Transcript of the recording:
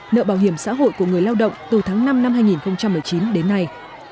nợ bảo hiểm xã hội của người lao động từ tháng năm năm hai nghìn một mươi chín đến nay